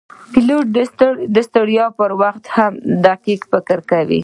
پیلوټ د ستړیا پر وخت هم دقیق فکر کوي.